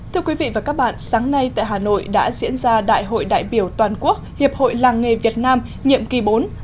thưa quý vị và các bạn sáng nay tại hà nội đã diễn ra đại hội đại biểu toàn quốc hiệp hội làng nghề việt nam nhiệm kỳ bốn hai nghìn một mươi tám hai nghìn một mươi chín